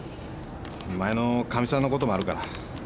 前のカミさんのこともあるから。